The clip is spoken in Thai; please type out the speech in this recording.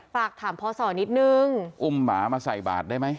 ฝากถามพอสอนิดนึงอุ้มหมามาใส่บาทได้ไหม